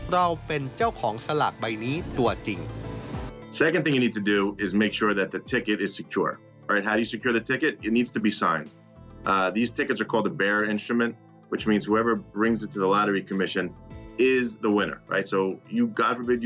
เราเป็นเจ้าของสลากใบนี้ตัวจริง